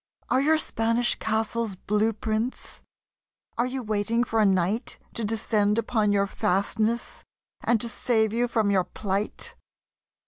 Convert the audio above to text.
Are your Spanish castles blue prints? Are you waiting for a knight To descend upon your fastness and to save you from your plight?